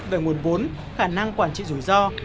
về nguồn bốn khả năng quản trị rủi ro